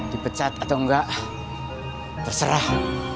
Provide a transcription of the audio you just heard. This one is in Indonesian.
dipecat atau enggak terserah